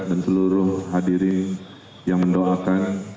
dan seluruh hadiri yang mendoakan